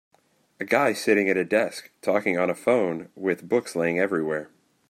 A guy sitting at a desk talking on a phone with books laying everywhere.